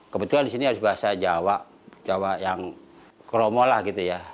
kebetulan di sini harus bahasa jawa jawa yang kromo lah gitu ya